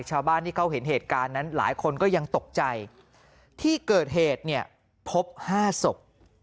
ชาวบ้านที่เขาเห็นเหตุการณ์นั้นหลายคนก็ยังตกใจที่เกิดเหตุเนี่ยพบ๕ศพ